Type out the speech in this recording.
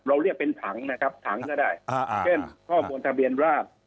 เรียกเป็นถังนะครับถังก็ได้เช่นข้อมูลทะเบียนราช